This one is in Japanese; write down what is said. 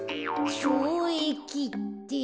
ちょうえきって？